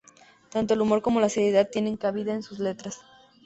Tanto el humor como la seriedad tienen cabida en sus letras.